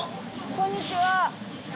こんにちは。